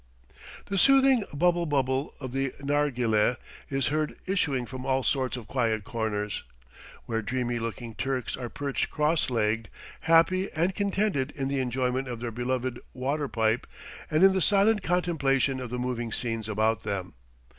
The soothing "bubble bubble" of the narghileh is heard issuing from all sorts of quiet corners, where dreamy looking Turks are perched cross legged, happy and contented in the enjoyment of their beloved water pipe and in the silent contemplation of the moving scenes about them.